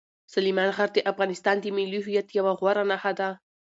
سلیمان غر د افغانستان د ملي هویت یوه غوره نښه ده.